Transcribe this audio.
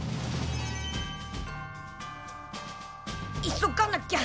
急がなきゃ。